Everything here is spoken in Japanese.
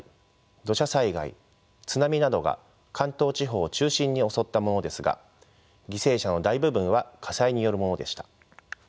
土砂災害津波などが関東地方を中心に襲ったものですが犠牲者の大部分は火災によるものでした。